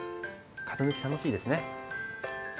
型抜き楽しいですね。